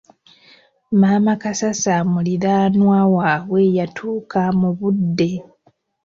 Maama Kasasa muliraanwa waabwe yatuuka mu budde.